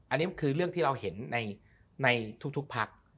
อันนี้คือเรื่องที่เราเห็นในทุกพัก